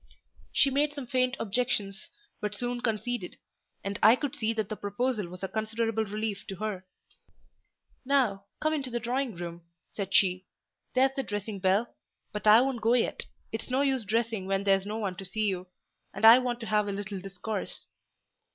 She made some faint objections, but soon conceded; and I could see that the proposal was a considerable relief to her. "Now, come into the drawing room," said she. "There's the dressing bell; but I won't go yet: it's no use dressing when there's no one to see you; and I want to have a little discourse."